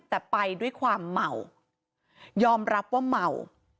แต่ไปด้วยความเมายอมรับว่าเมา